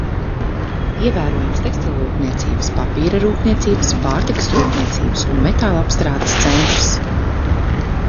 Ievērojams tekstilrūpniecības, papīra rūpniecības, pārtikas rūpniecības un metālapstrādes centrs.